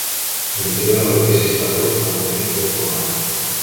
L’interior de l’edifici està totalment reformat.